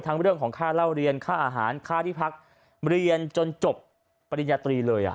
เรื่องของค่าเล่าเรียนค่าอาหารค่าที่พักเรียนจนจบปริญญาตรีเลย